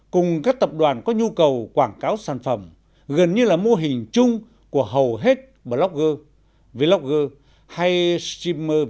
cùng các tập đoàn có nhu cầu quảng cáo sản phẩm gần như là mô hình chung của hầu hết bloggerlogger hay streamer